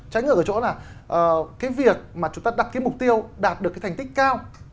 tránh ở chỗ là cái việc mà chúng ta đặt cái mục tiêu đạt được cái thành tích cao